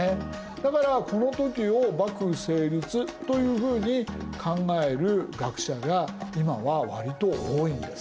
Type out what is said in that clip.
だからこの時を幕府成立というふうに考える学者が今は割と多いんです。